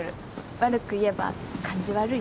悪く言えば感じ悪い？